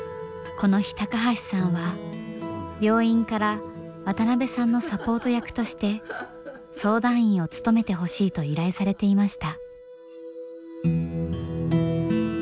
この日高橋さんは病院から渡邊さんのサポート役として相談員を務めてほしいと依頼されていました。